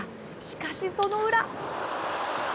しかし、その裏。